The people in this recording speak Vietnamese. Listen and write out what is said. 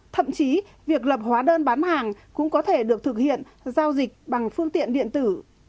thậm chí việc lập hóa đơn bán hàng cũng có thể được thực hiện giao dịch bằng phương tiện điện tử